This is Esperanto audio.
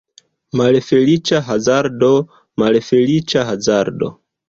Malfeliĉa hazardo, malfeliĉa hazardo!